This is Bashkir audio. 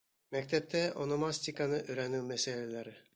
Мәктәптә ономастиканы өйрәнеү мәсьәләләре